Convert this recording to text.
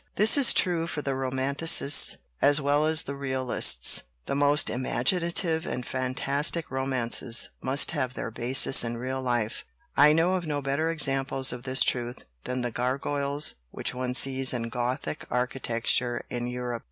"This is true for the romanticists as well as the realists. The most imaginative and fantastic ro mances must have their basis in real life "I know of no better examples of this truth than the gargoyles which one sees in Gothic archi tecture in Europe.